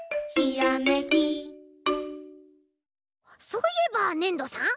そういえばねんどさん？